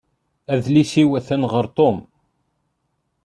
Adlis-iw atan ɣer Tom.